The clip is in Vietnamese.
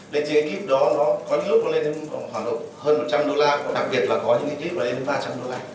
để trên clip đó có những lúc nó lên đến khoảng độ hơn một trăm linh đô la đặc biệt là có những clip lên đến ba trăm linh đô la